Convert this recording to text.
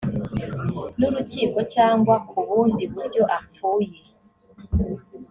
n urukiko cyangwa ku bundi buryo apfuye